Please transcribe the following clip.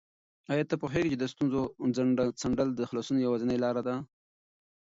آیا ته پوهېږې چې د ستونزو څنډل د خلاصون یوازینۍ لاره ده؟